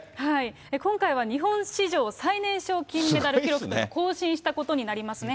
今回は日本史上最年少金メダル記録を更新したことになりますね。